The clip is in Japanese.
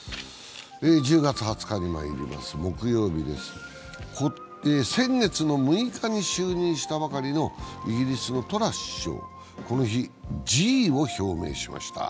１０月２０日にまいります、木曜日です先月６日に就任したばかりのイギリスのトラス首相、この日、辞意を表明しました。